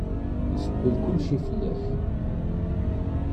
Isebbel kulci fell-ak.